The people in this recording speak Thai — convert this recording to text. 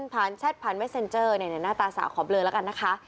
แชทผ่านเม็ดเซ็นเจอร์หน้าตาสาวขอเบลอแล้วกันนะคะ